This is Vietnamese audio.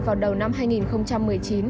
vào đầu năm hai nghìn một mươi chín